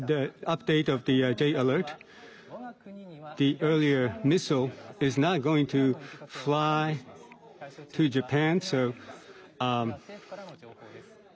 これは政府からの情報です。